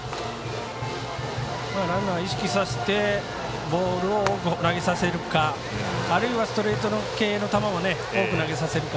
ランナーを意識させてボールを多く投げさせるかあるいはストレート系の球を多く投げさせるか。